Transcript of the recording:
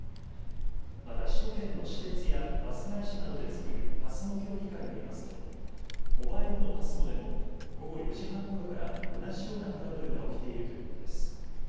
また首都圏の私鉄やバス会社などで作るＰＡＳＭＯ協議会によりますとモバイルのＰＡＳＭＯでも午後４時半ごろから同じようなトラブルが起きているということです。